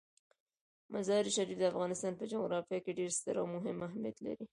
مزارشریف د افغانستان په جغرافیه کې ډیر ستر او مهم اهمیت لري.